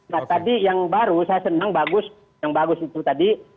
nah tadi yang baru saya senang yang bagus itu tadi